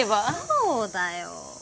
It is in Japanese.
そうだよ。